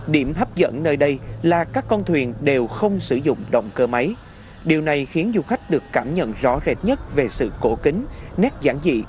điểm hấp dẫn nơi đây là các con thuyền đều không sử dụng động cơ máy điều này khiến du khách được cảm nhận rõ rệt nhất về sự cổ kính nét giản dị